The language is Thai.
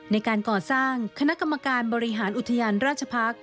ในการก่อสร้างคณะกรรมการบริหารอุทยานราชพักษ์